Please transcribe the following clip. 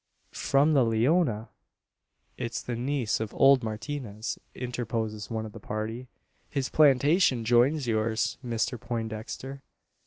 "From the Leona!" "It's the niece of old Martinez," interposes one of the party. "His plantation joins yours, Mister Poindexter."